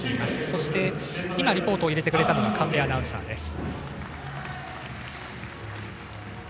そして今リポートを入れてくれたのが神戸アナウンサーです。